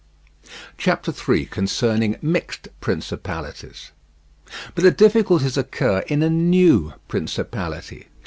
CHAPTER III. CONCERNING MIXED PRINCIPALITIES But the difficulties occur in a new principality.